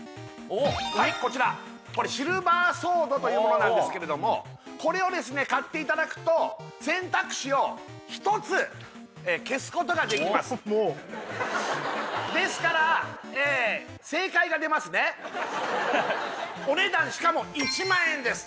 はいこちらシルバーソードというものなんですけれどもこれをですね買っていただくと選択肢を１つ消すことができますですからお値段しかも１万円です